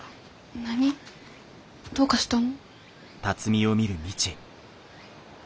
何どうかしたの？